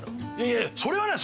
いやいやそれはない